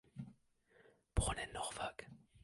Born in Norfolk.